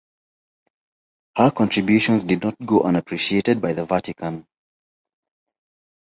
Her contributions did not go unappreciated by the Vatican.